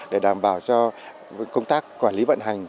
để đảm bảo cho công tác quản lý vận hành